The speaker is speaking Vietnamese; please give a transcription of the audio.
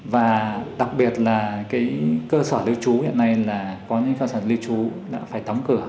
và đặc biệt là cái cơ sở lưu trú hiện nay là có những cơ sở lưu trú đã phải đóng cửa